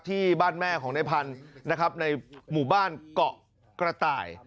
ที่บ้านแม่ของในพันธุ์นะครับในหมู่บ้านเกาะกระต่าย